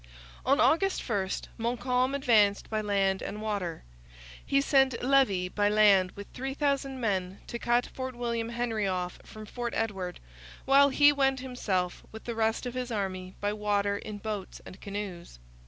On August 1 Montcalm advanced by land and water. He sent Levis by land with 3,000 men to cut Fort William Henry off from Fort Edward, while he went himself, with the rest of his army, by water in boats and canoes.